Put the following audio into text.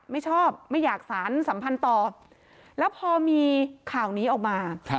ไม่ชอบไม่อยากสารสัมพันธ์ต่อแล้วพอมีข่าวนี้ออกมา